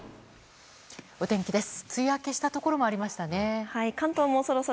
お天気です。